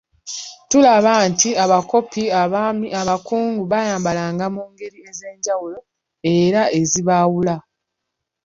Tulaba nti, abakopi, abaami, abakungu, bayambalanga mu ngeri ez‘enjawulo era ezibaawula.